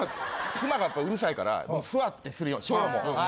妻がやっぱうるさいから座ってするように小も。